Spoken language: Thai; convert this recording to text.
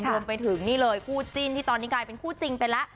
รวมไปถึงนี่เลยคู่จิ้นที่ตอนนี้กลายเป็นคู่จริงไปแล้ว